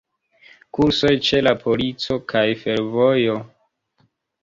Kursoj ĉe la polico kaj fervojo.